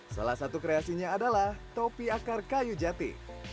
salah satu kreasinya adalah topi akar kayu jati